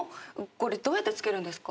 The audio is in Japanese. これどうやって付けるんですか？